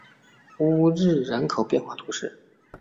乌日人口变化图示